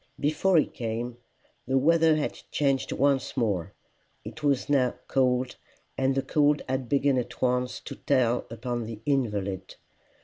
Before he came, the weather had changed once more. It was now cold, and the cold had begun at once to tell upon the invalid.